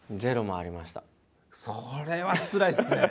それはつらいですね。